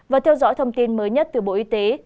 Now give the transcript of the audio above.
và theo dõi thông tin mới nhất từ bộ y tế